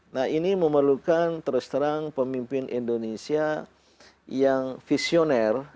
nah ini memerlukan pemimpin indonesia yang visioner